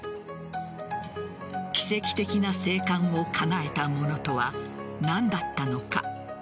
奇跡的な生還をかなえたものとは何だったのか。